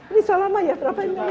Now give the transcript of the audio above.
ini sudah lama ya berapa ini